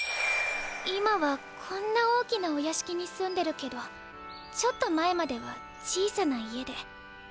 今はこんな大きなおやしきにすんでるけどちょっと前までは小さな家で。